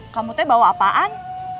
kamu tuh bawa apaan